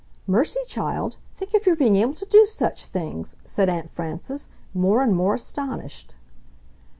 "Mercy, child! Think of your being able to do such things!" said Aunt Frances, more and more astonished.